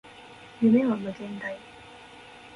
夢は無限大